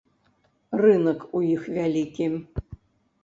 Рынак у іх вялікі.